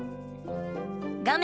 画面